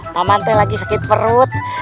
mamante lagi sakit perut